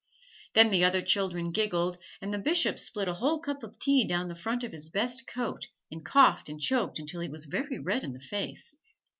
Then the other children giggled and the Bishop spilt a whole cup of tea down the front of his best coat, and coughed and choked until he was very red in the face.